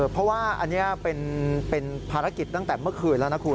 เพราะว่าอันนี้เป็นภารกิจตั้งแต่เมื่อคืนแล้วนะคุณ